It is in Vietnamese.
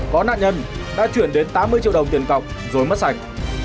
có nạn nhân đã chuyển đến tám mươi triệu đồng tiền cọc rồi mất sạch